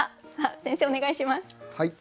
先生お願いします。